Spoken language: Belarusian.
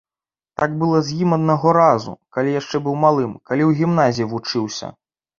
Так было з ім аднаго разу, калі яшчэ быў малым, каліў гімназіі вучыўся.